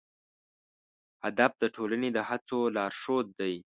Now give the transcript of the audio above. هدف د ټولنې د هڅو لارښود دی.